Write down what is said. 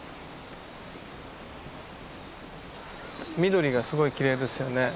緑がすごいきれいですよね